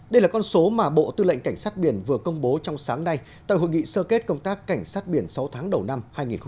đây là con số mà bộ tư lệnh cảnh sát biển vừa công bố trong sáng nay tại hội nghị sơ kết công tác cảnh sát biển sáu tháng đầu năm hai nghìn hai mươi